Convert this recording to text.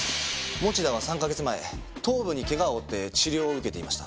持田は３カ月前頭部に怪我を負って治療を受けていました。